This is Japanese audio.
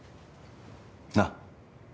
なっ？